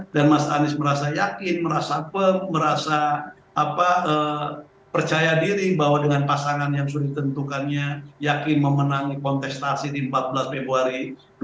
dan mas anies merasa yakin merasa firm merasa percaya diri bahwa dengan pasangan yang sudah ditentukannya yakin memenangi kontestasi di empat belas februari dua ribu dua puluh empat